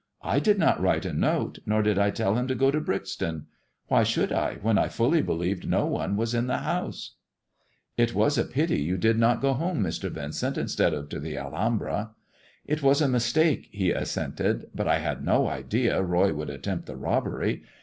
I did not write a note, nor did I tell him to go to Brixton. Why should I, when I fnlly believed no one was in the house t " 268 THE GREEN STONE GOD AND THE STOCKBROKER " It was a pity you did not go home, Mr. Yincent, instead of to the Alhambra." " It was a mistake/' he assented, " but I had no idea Roy would attempt the robbery.